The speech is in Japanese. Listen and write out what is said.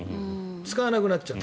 使わなくなっちゃう。